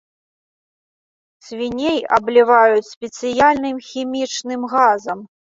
Свіней абліваюць спецыяльным хімічным газам.